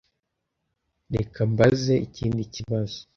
Reka mbaze ikindi kibazo